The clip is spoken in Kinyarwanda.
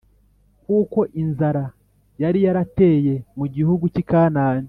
Kuko inzara yari yarateye mu gihugu cy i kanani